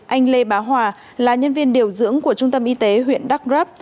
anh lê bá hòa là nhân viên điều dưỡng của trung tâm y tế huyện đắk rấp